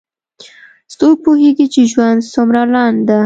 څوک پوهیږي چې ژوند څومره لنډ ده